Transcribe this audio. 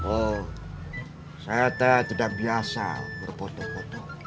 oh saya tidak biasa berpoto poto